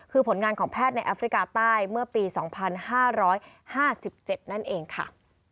คือผลงานของแพทย์ในแอฟริกาใต้เมื่อปี๒๕๕๗นั่นเองค่ะ